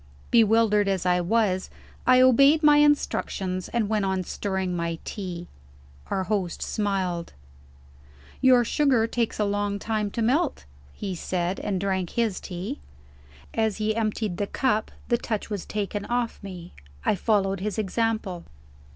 Bewildered as I was, I obeyed my instructions, and went on stirring my tea. Our host smiled. "Your sugar takes a long time to melt," he said and drank his tea. As he emptied the cup, the touch was taken off me. I followed his example.